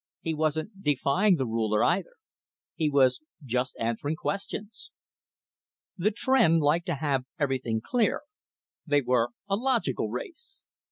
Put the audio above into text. He wasn't defying the Ruler, either. He was just answering questions. The Tr'en liked to have everything clear. They were a logical race.